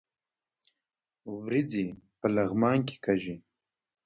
وریجې په لغمان کې کیږي